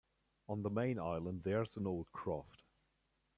On the main island there's an old croft.